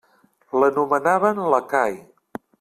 L'anomenaven lacai.